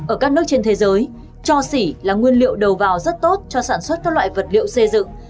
ở các nước trên thế giới cho xỉ là nguyên liệu đầu vào rất tốt cho sản xuất các loại vật liệu xây dựng